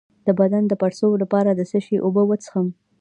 د بدن د پړسوب لپاره د څه شي اوبه وڅښم؟